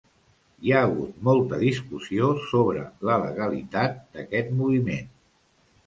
Hi ha hagut molta discussió sobre la legalitat d'aquest moviment.